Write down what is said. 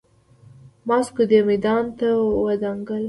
ماسکو دې میدان ته ودانګل.